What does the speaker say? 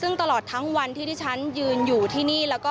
ส่วนสบนิรนามทั้ง๓คนที่แพทย์ขอความร่วมมือก่อนหน้านี้นะคะ